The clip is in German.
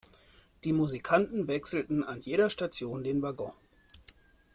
Die Musikanten wechselten an jeder Station den Waggon.